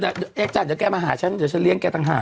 เดี๋ยวจ้ะเดี๋ยวแกมาหาฉันเดี๋ยวฉันเลี้ยแกต่างหาก